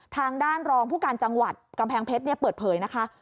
ทางด้านรองผู้การจังหวัดกำแพงเพชรเปิดเผยนะคะ